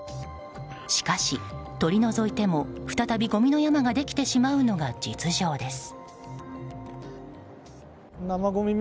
しかし、取り除いても再びごみの山ができてしまうのが実情です。